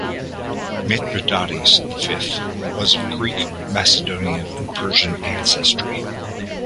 Mithridates the Fifth was of Greek Macedonian and Persian ancestry.